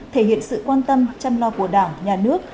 thể hiện sự quan tâm chăm lo của đảng nhà nước